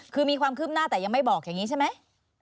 คือมีความคืบหน้าแต่ยังไม่บอกอย่างนี้ใช่ไหม